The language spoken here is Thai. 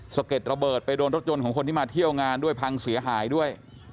เก็ดระเบิดไปโดนรถยนต์ของคนที่มาเที่ยวงานด้วยพังเสียหายด้วย